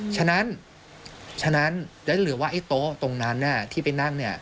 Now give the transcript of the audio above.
ฉะนั้นแล้วจะเหลือว่าโต๊ะตรงนั้นที่ไปนั่ง